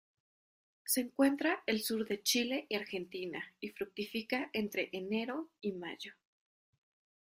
Se encuentra el sur de Chile y Argentina y fructifica entre enero y mayo.